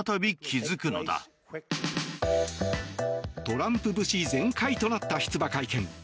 トランプ節全開となった出馬会見。